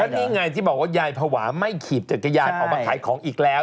นี่ไงที่บอกว่ายายภาวะไม่ถีบจักรยานออกมาขายของอีกแล้ว